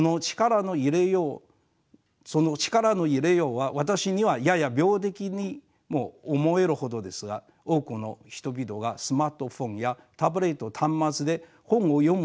その力の入れようは私にはやや病的にも思えるほどですが多くの人々がスマートフォンやタブレット端末で本を読む